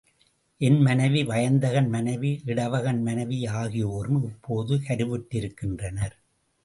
என் மனைவி, வயந்தகன் மனைவி, இடவகன் மனைவி ஆகியோரும் இப்போது கருவுற்றிருக்கின்றனர்.